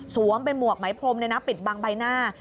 เป็นหมวกไหมพรมปิดบังใบหน้า